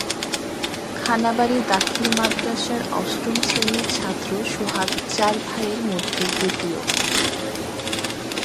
খানাবাড়ি দাখিল মাদ্রাসার অষ্টম শ্রেণীর ছাত্র সোহাগ চার ভাইয়ের মধ্যে দ্বিতীয়।